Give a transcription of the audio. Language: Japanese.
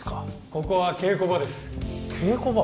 ここは稽古場です稽古場？